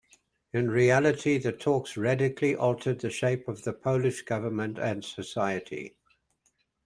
In reality, the talks radically altered the shape of the Polish government and society.